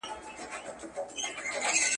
واکسین ماشومان له ناروغیو ساتي